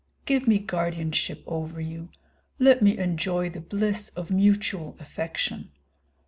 Give me guardianship over you; let me enjoy the bliss of mutual affection.